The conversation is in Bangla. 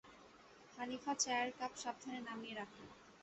হানিফা চ্যায়ের কাপ সাবধানে নামিয়ে রাখল।